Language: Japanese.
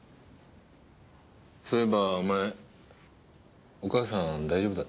そういえばお前お母さん大丈夫だったか？